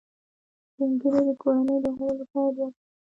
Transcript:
سپین ږیری د کورنۍ د غړو لپاره دعا کوي